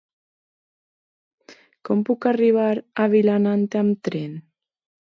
Com puc arribar a Vilanant amb tren?